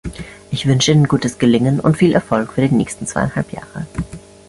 Ich wünsche Ihnen gutes Gelingen und viel Erfolg für die nächsten zweieinhalb Jahre!